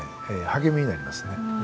励みになりますね。